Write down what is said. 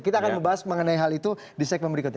kita akan membahas mengenai hal itu di segmen berikutnya